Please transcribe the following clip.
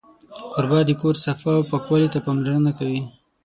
کوربه د کور صفا او پاکوالي ته پاملرنه کوي.